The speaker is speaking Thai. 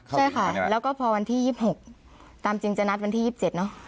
ใช่ค่ะแล้วก็พอวันที่๒๖ตามจริงจะนัดวันที่๒๗เนอะ